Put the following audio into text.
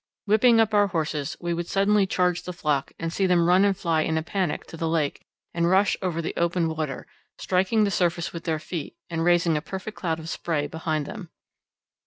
Whipping up our horses, we would suddenly charge the flock to see them run and fly in a panic to the lake and rush over the open water, striking the surface with their feet and raising a perfect cloud of spray behind them.